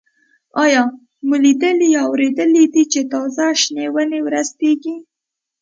آیا مو لیدلي یا اورېدلي دي چې تازه شنې ونې ورستېږي؟